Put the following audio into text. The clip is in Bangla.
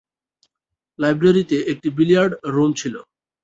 লাইব্রেরিতে একটি বিলিয়ার্ড রুম ছিল।